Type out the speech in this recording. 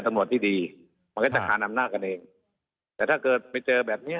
ทำกฎหมายอยู่แล้วนะครับเดิม